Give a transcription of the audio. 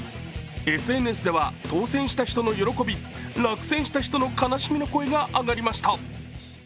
ＳＮＳでは当選した人の喜び、落選した人の悲しみの声が上がりました。